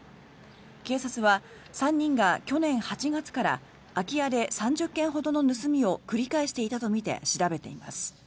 警察は３人が去年８月から空き家で３０件ほどの盗みを繰り返していたとみて調べています。